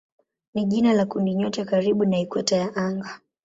ni jina la kundinyota karibu na ikweta ya anga.